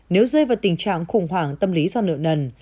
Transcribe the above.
nếu rơi vào tình trạng khủng hoảng tâm lý do nợ nần